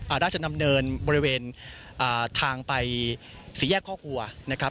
ราชดำเนินบริเวณอ่าทางไปสี่แยกข้อครัวนะครับ